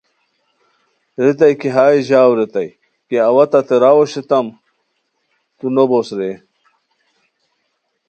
ریتائے کی ہائے ژاؤ ریتائے کی اوا تتے راؤ اوشوتام تو نوبوس رے!